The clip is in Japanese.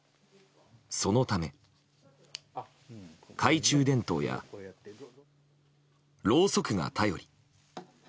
そのため懐中電灯やろうそくが頼り。